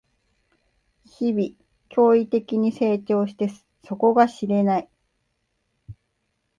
日々、驚異的に成長して底が知れない